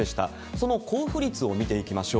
その交付率を見ていきましょう。